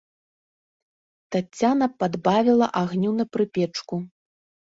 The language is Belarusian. Таццяна падбавіла агню на прыпечку.